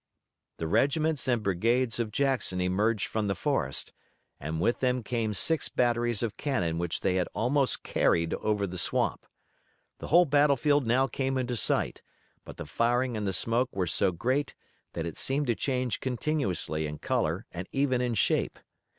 The regiments and brigades of Jackson emerged from the forest, and with them came six batteries of cannon which they had almost carried over the swamp. The whole battlefield now came into sight, but the firing and the smoke were so great that it seemed to change continuously in color and even in shape.